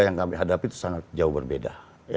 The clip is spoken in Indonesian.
yang kami hadapi itu sangat jauh berbeda